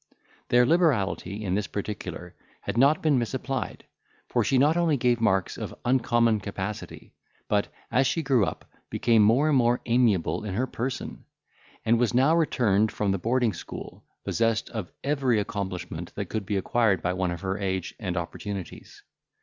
Their liberality in this particular had not been misapplied; for she not only gave marks of uncommon capacity, but, as she grew up, became more and more amiable in her person, and was now returned from the boarding school, possessed of every accomplishment that could be acquired by one of her age and opportunities.